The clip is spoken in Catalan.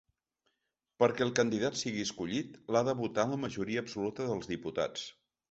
Perquè el candidat sigui escollit, l’ha de votar la majoria absoluta dels diputats.